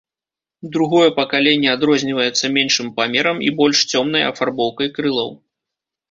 Другое пакаленне адрозніваецца меншым памерам і больш цёмнай афарбоўкай крылаў.